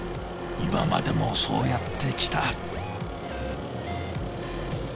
今までもそうやってきた。